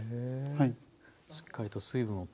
はい。